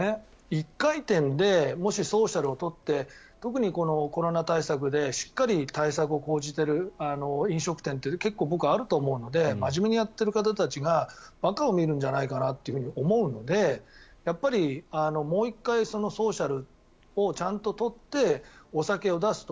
１回転でもしソーシャルを取って特にコロナ対策でしっかり対策を講じている飲食店って結構僕、あると思うので真面目にやってる方たちが馬鹿を見るんじゃないかなと思うのでやっぱり、もう１回ソーシャルをちゃんと取ってお酒を出すと。